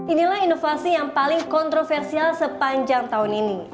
inilah inovasi yang paling kontroversial sepanjang tahun ini